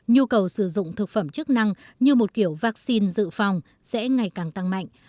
nhu cầu sử dụng thực phẩm chức năng như một kiểu vaccine dự phòng sẽ ngày càng tăng mạnh